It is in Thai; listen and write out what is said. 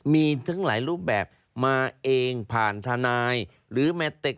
มีทั้งหลายรูปแบบมาเองผ่านทนายหรือแมทเต็ก